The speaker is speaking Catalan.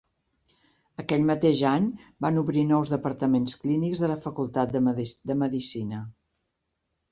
Aquell mateix any van obrir nous departaments clínics de la facultat de medicina.